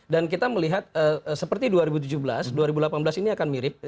dan kita melihat seperti dua ribu tujuh belas dua ribu delapan belas ini akan mirip